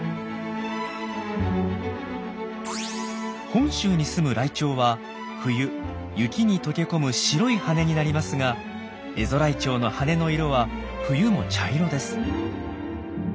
本州にすむライチョウは冬雪に溶け込む白い羽になりますがエゾライチョウの羽の色は冬も茶色です。